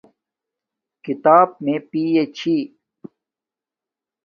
کھیتاپ مے پیے چھی